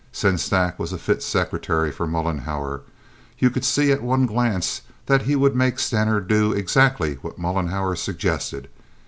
Sengstack was a fit secretary for Mollenhauer. You could see at one glance that he would make Stener do exactly what Mollenhauer suggested.